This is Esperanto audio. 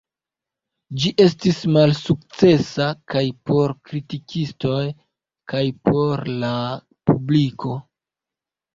Ĝi estis malsukcesa kaj por kritikistoj kaj por la publiko.